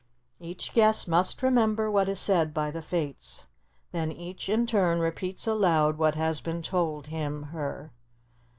Each guest must remember what is said by the Fates; then each in turn repeats aloud what has been told him (her).